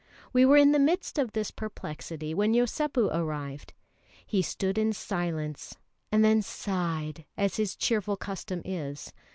We were in the midst of this perplexity when Yosépu arrived. He stood in silence, and then sighed, as his cheerful custom is.